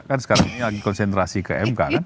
kan sekarang ini lagi konsentrasi ke mk kan